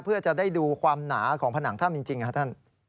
เพื่อจะได้ดูความหนาของผนังถ้ำจริงครับท่าน